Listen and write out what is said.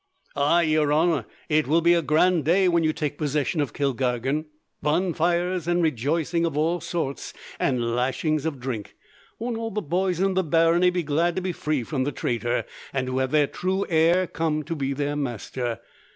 "Ah, your honour, it will be a grand day when you take possession of Kilkargan bonfires and rejoicing of all sorts, and lashings of drink. Won't all the boys in the barony be glad to be free from the traitor, and to have the true heir come to be their master.